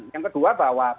yang kedua bahwa